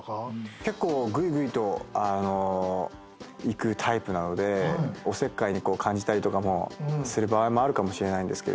結構ぐいぐいといくタイプなのでおせっかいに感じたりする場合もあるかもしれないんですけれど。